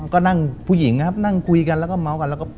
ก็นั่งผู้หญิงครับนั่งคุยกันแล้วก็เมาส์กันแล้วก็